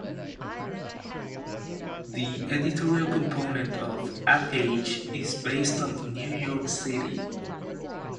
The editorial component of "Ad Age" is based in New York City.